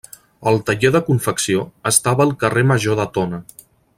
El taller de confecció estava al carrer Major de Tona.